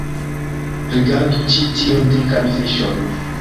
Rigardu ĉi tiun dikan fiŝon